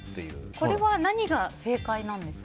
それは何が正解なんですか？